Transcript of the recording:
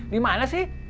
di mana sih